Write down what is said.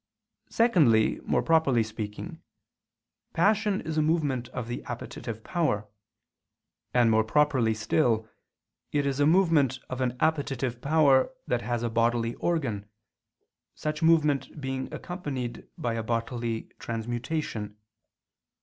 Secondly, more properly speaking, passion is a movement of the appetitive power; and more properly still, it is a movement of an appetitive power that has a bodily organ, such movement being accompanied by a bodily transmutation.